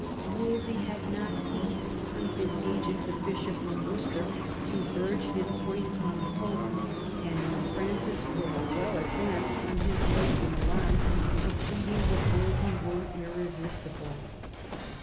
Wolsey had not ceased, through his agent, the Bishop of Worcester, to urge this point upon the Pope, and when Francis was well advanced on his road to Milan the pleadings of Wolsey were irresistible.